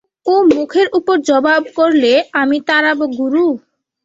ও মুখের উপর জবাব করলে, আমি তাড়াব গোরু!